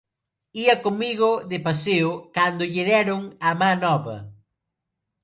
Ía comigo de paseo cando lle deron a má nova